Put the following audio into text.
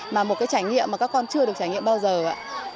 mà một cái trải nghiệm mà các con chưa được trải nghiệm bao giờ ạ